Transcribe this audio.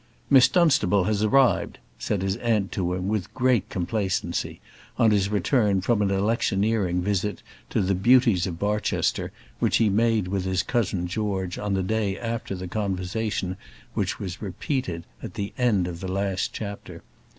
"Miss Dunstable has arrived," said his aunt to him, with great complacency, on his return from an electioneering visit to the beauties of Barchester which he made with his cousin George on the day after the conversation which was repeated at the end of the last chapter.